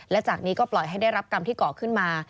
และจากนี้ก็ปล่อยให้ได้รับกรรมที่เกาะขึ้นมา